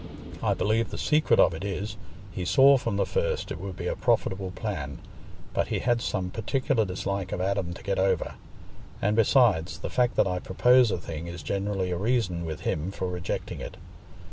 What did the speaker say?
I believe the secret of it is, he saw from the first it would be a profitable plan, but he had some particular dislike of Adam to get over—and besides, the fact that I propose a thing is generally a reason with him for rejecting it.